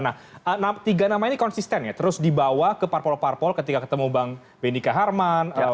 nah tiga nama ini konsisten ya terus dibawa ke parpol parpol ketika ketemu bang benny kaharman